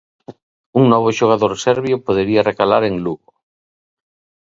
Un novo xogador serbio podería recalar en Lugo.